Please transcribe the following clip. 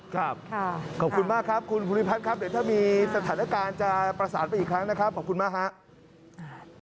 ขอบคุณมากครับคุณภูริพัฒน์ครับเดี๋ยวถ้ามีสถานการณ์จะประสานไปอีกครั้งนะครับขอบคุณมากครับ